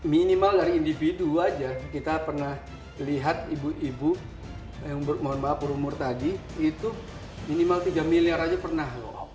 minimal dari individu aja kita pernah lihat ibu ibu yang mohon maaf berumur tadi itu minimal tiga miliar aja pernah loh